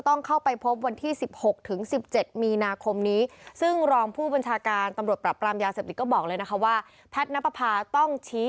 ต้องเข้าไปพบวันที่๑๖ถึง๑๗มีนาคมนี้